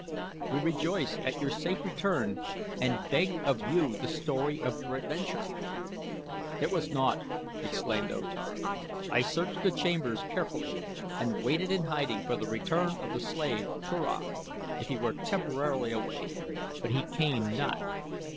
"We rejoice at your safe return and beg of you the story of your adventure." "It was naught," exclaimed O Tar. "I searched the chambers carefully and waited in hiding for the return of the slave, Turan, if he were temporarily away; but he came not.